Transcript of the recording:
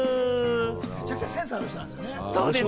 めちゃくちゃセンスある人なんだよね。